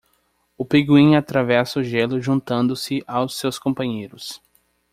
O pinguim atravessa o gelo juntando-se aos seus companheiros.